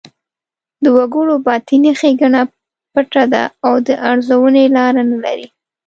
د وګړو باطني ښېګڼه پټه ده او د ارزونې لاره نه لري.